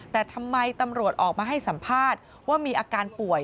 แต่ทำไมตำรวจออกมาให้สัมภาษณ์ว่ามีอาการป่วย